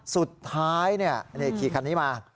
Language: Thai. สุดท้ายขี่คันนี้มา